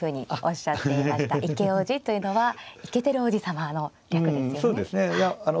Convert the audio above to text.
イケおじというのはイケてるおじさまの略ですよね。